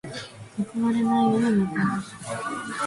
報われない世の中。